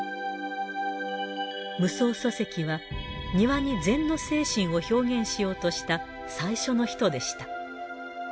夢窓疎石は庭に禅の精神を表現しようとした最初の人でした。